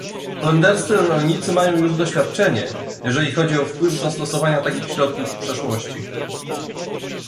Holenderscy rolnicy mają już doświadczenie, jeśli chodzi o wpływ zastosowania takich środków w przeszłości